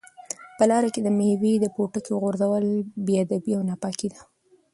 په لاره کې د مېوې د پوټکو غورځول بې ادبي او ناپاکي ده.